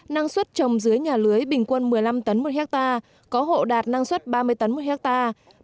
năng suất trồng dưới nhà lưới bình quân một mươi năm tấn một hectare có hộ đạt năng suất ba mươi tấn một hectare